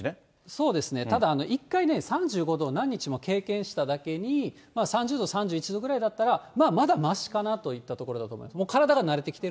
そうですね、ただ一回、３５度を何日も経験しただけに、３０度、３１度ぐらいだったら、まあまだましかなといったところだと思います。